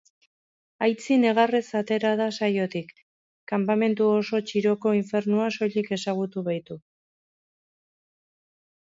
Aitzi negarrez atera da saiotik, kanpamentu oso txiroko infernua soilik ezagutu baitu.